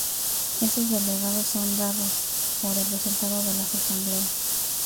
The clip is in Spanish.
Esos delegados son dados por el resultado de las asambleas.